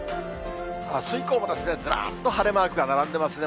あす以降もずらっと晴れマークが並んでいますね。